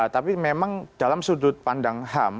tapi memang dalam sudut pandang ham